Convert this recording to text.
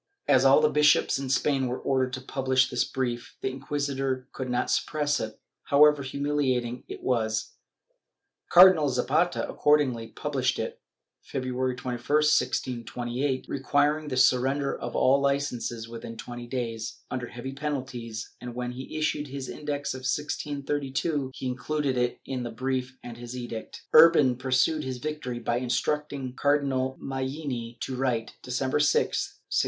As all the bishops in Spain were ordered to publish this brief, the Inquisition could not suppress it, however humiliating it was. Cardinal Zapata accordingly published it, February 21, 1628, requiring the surren der of all licences within twenty days, under heavy penalties, and when he issued his Index of 1632 he included in it the brief and his edict.* Urban pursued his victory by instructing Cardinal Mellini to ' Archive de Simancas, Inq., Lib.